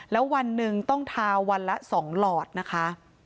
แล้ววันหนึ่งต้องทาวันละ๒หลอดนะคะ